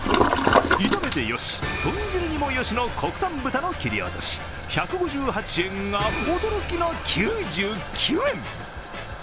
炒めてよし、とん汁にもよしの国産豚の切り落とし１５８円が、驚きの９９円！